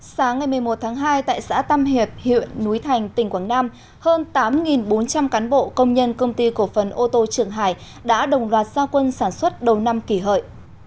sáng ngày một mươi một tháng hai tại xã tam hiệp huyện núi thành tỉnh quảng nam hơn tám bốn trăm linh cán bộ công nhân công ty cổ phần ô tô trường hải đã đồng loạt gia quân sản xuất đầu năm kỷ hợi